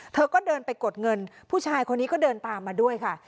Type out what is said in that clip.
เธอก็เดินไปกดเงินผู้ชายคนนี้ก็เดินตามมาด้วยค่ะ